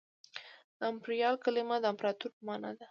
د امپریال کلمه د امپراطور په مانا ده